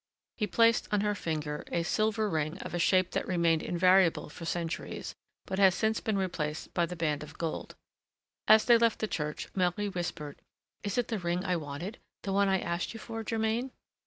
He placed on her finger a silver ring of a shape that remained invariable for centuries, but has since been replaced by the band of gold. As they left the church, Marie whispered: "Is it the ring I wanted? the one I asked you for, Germain?"